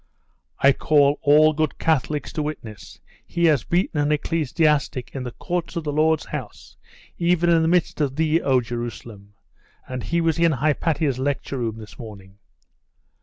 'I call all good Catholics to witness! He has beaten an ecclesiastic in the courts of the Lord's house, even in the midst of thee, O Jerusalem! And he was in Hypatia's lecture room this morning!